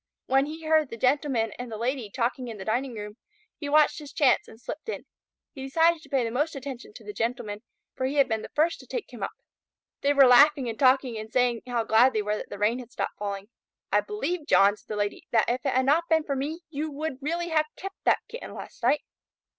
When he heard the Gentleman and the Lady talking in the dining room, he watched his chance and slipped in. He decided to pay the most attention to the Gentleman, for he had been the first to take him up. They were laughing and talking and saying how glad they were that the rain had stopped falling. "I believe, John," the Lady said, "that if it had not been for me, you would really have kept that Kitten last night."